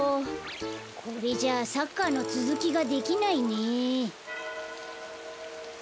これじゃサッカーのつづきができないね。